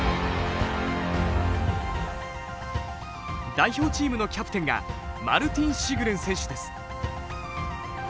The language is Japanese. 代表チームのキャプテンがマルティン・シグレン選手です。